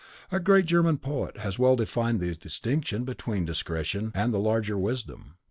A great German poet has well defined the distinction between discretion and the larger wisdom.